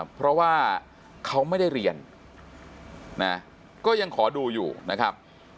เพราะว่าเขาไม่ได้เรียนนะก็ยังขอดูอยู่นะครับ